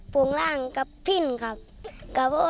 ฟังหน่อยครับ